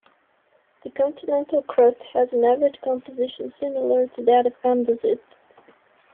The continental crust has an average composition similar to that of andesite.